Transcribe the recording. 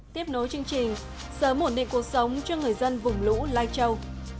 tiếp nối chương trình sớm ổn định cuộc sống cho người dân vùng lũ lai châu